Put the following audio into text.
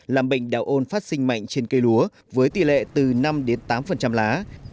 làm bệnh đạo ôn phát sinh mạnh trên cây lúa với tỷ lệ từ năm tám lá